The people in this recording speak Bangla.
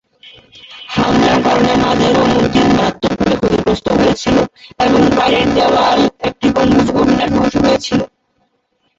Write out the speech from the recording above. হামলার কারণে মাজার ও মসজিদ মারাত্মকভাবে ক্ষতিগ্রস্ত হয়েছিল এবং বাইরের দেওয়াল, একটি গম্বুজ ও মিনার ধ্বংস হয়েছিল।